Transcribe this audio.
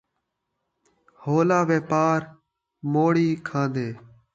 ہولا وپار موڑی کھان٘دے